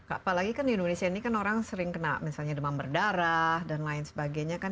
apalagi kan di indonesia ini kan orang sering kena misalnya demam berdarah dan lain sebagainya kan